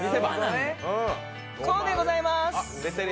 こうでございます。